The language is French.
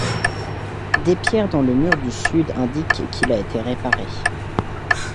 Des pierres dans le mur du sud indiquent qu'il a été réparé.